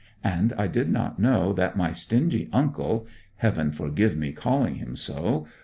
And I did not know that my stingy uncle heaven forgive me calling him so!